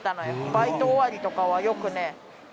バイト終わりとかはよくね